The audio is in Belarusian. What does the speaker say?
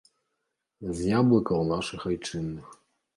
З яблыкаў нашых айчынных.